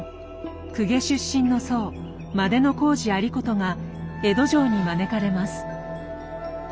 公家出身の僧万里小路有功が江戸城に招かれます。